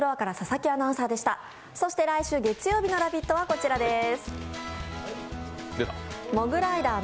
来週月曜日の「ラヴィット！」はこちらです。